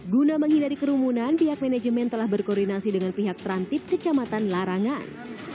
guna menghindari kerumunan pihak manajemen telah berkoordinasi dengan pihak transit kecamatan larangan